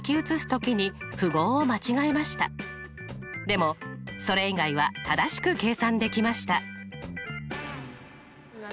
でもそれ以外は正しく計算できました。